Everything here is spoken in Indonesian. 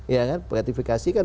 ya kan gratifikasi kan